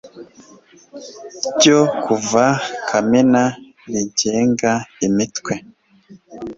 ryo kuwa Kamena rigenga Imitwe